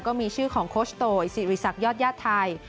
ก็มีชื่อของโคชโตยสิริษักยอดญาติไทย